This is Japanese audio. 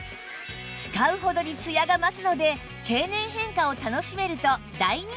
使うほどにツヤが増すので経年変化を楽しめると大人気なんです